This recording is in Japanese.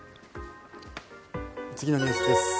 次のニュースです。